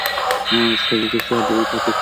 আমার থেকে কিছুটা দূরে থাকছিস না কেন?